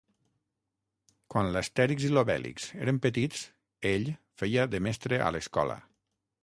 Quan l'Astèrix i l'Obèlix eren petits, ell feia de mestre a l'escola.